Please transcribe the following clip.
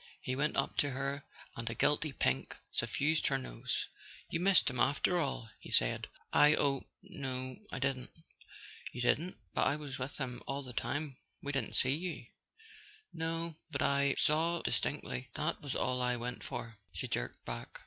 He went up to her and a guilty pink suffused her nose. [ 98 ] A SON AT THE FRONT "You missed him after all ?" he said. "I—oh, no, I didn't." "You didn't? But I was with him all the time. We didn't see you " "No, but I saw—distinctly. That was all I went for," she jerked back.